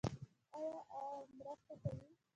آیا او مرسته کوي؟